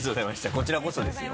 こちらこそですよ